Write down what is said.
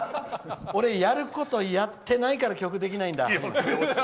俺やることやってないから曲できないんだ。